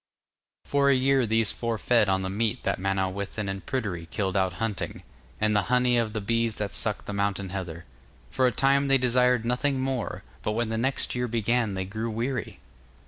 For a year these four fed on the meat that Manawyddan and Pryderi killed out hunting, and the honey of the bees that sucked the mountain heather. For a time they desired nothing more, but when the next year began they grew weary.